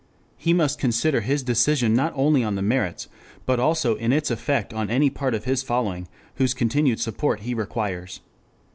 He must consider his decision not only on "the merits," but also in its effect on any part of his following whose continued support he requires.